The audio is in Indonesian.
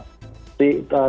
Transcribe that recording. tiktok terus berbicara